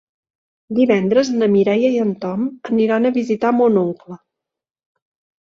Divendres na Mireia i en Tom aniran a visitar mon oncle.